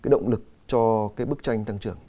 động lực cho bức tranh tăng trưởng